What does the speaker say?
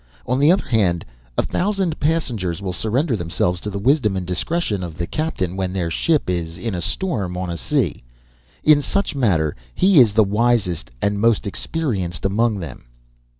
On the other hand, a thousand passengers will surrender themselves to the wisdom and discretion of the captain, when their ship is in a storm on the sea. In such matter, he is the wisest and most experienced among them.